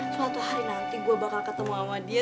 suatu hari nanti gue bakal ketemu sama dia